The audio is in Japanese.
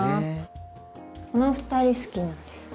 この２人好きなんです。